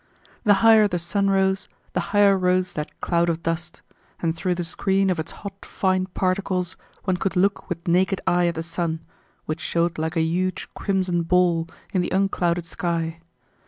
The higher the sun rose the higher rose that cloud of dust, and through the screen of its hot fine particles one could look with naked eye at the sun, which showed like a huge crimson ball in the unclouded sky.